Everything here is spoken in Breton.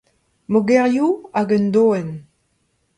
Mogerioù hag un doenn.